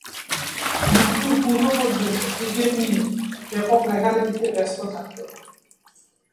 মৃত্যু পূর্ব-পর্যন্ত ক্রিকেট নিয়ে ব্যাপক লেখালেখিতে ব্যস্ত থাকতেন।